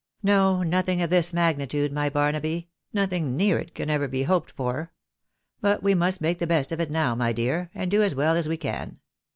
No, nothing of this magnitude, my Barnaby — nothing near it can ever be hoped for. But we must make the best of it now, my dear, and do as well as we can.